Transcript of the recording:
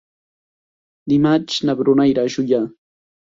Dimarts na Bruna irà a Juià.